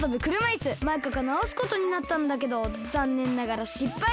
マイカがなおすことになったんだけどざんねんながらしっぱい。